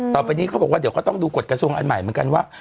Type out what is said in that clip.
ต่อไปนี้เขาบอกว่าเดี๋ยวก็ต้องดูกฎกระทรวงอันใหม่เหมือนกันว่า